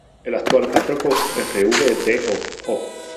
El actual párroco Rvdo.